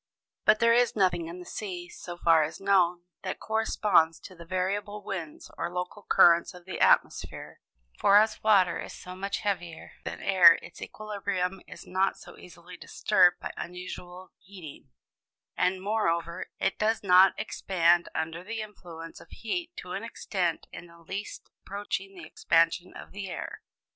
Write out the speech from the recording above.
But there is nothing in the sea, so far as known, that corresponds to the variable winds or local currents of the atmosphere: for as water is so much heavier than air, its equilibrium is not so easily disturbed by unusual heating: and moreover, it does not expand under the influence of heat to an extent in the least approaching the expansion of the air.